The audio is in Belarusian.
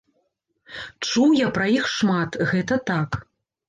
Чуў я пра іх шмат, гэта так.